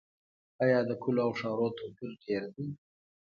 آیا د کلیو او ښارونو توپیر ډیر دی؟